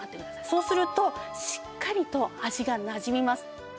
そうするとしっかりと味がなじみます。